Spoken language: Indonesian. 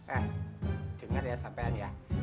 eh dengar ya sampean ya